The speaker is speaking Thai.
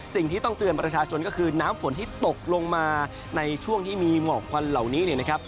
สิ่งที่ต้องเตือนประชาชนก็คือน้ำฝนที่ตกลงมาในช่วงที่มีหมอกควันเหล่านี้เนี่ยนะครับ